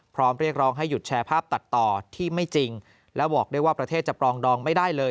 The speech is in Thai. เรียกร้องให้หยุดแชร์ภาพตัดต่อที่ไม่จริงและบอกได้ว่าประเทศจะปรองดองไม่ได้เลย